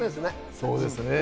そうですね。